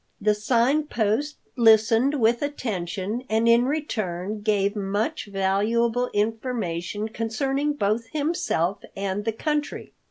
The Sign Post listened with attention, and in return gave much valuable information concerning both himself and the country.